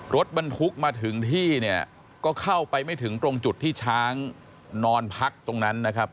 รถบรรทุกมาถึงที่เนี่ยก็เข้าไปไม่ถึงตรงจุดที่ช้างนอนพักตรงนั้นนะครับ